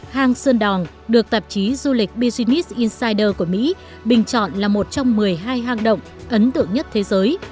hàng sơn đòn được tạp chí du lịch business insider của mỹ bình chọn là một trong một mươi hai hàng động ấn tượng nhất thế giới